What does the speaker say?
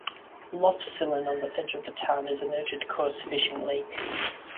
Lough Sillan, on the edge of the town, is a noted coarse fishing lake.